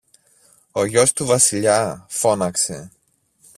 Ο γιος του Βασιλιά; φώναξε.